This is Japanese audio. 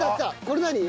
これ何？